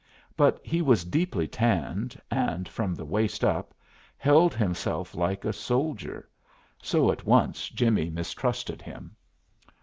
But he was deeply tanned, and, from the waist up, held himself like a soldier, so, at once, Jimmie mistrusted him.